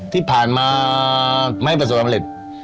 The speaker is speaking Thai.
ที่ผ่านมาไม่ให้ประสบความเมล็ด